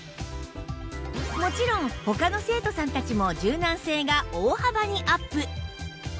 もちろん他の生徒さんたちも柔軟性が大幅にアップ！